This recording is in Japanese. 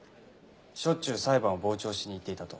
しょっちゅう裁判を傍聴しに行っていたと。